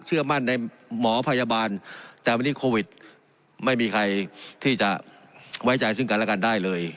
เชื่อมั่นในหมอพยาบาลแต่วันนี้โควิดไม่มีใครที่จะไว้ใจซึ่งกันและกันได้เลย